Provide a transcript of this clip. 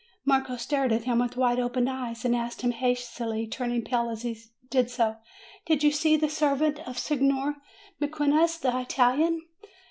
Marco stared at him with wide open eyes, and asked him hastily, turning pale as he did so, "Did you see the servant of Signor Mequinez the Italian?"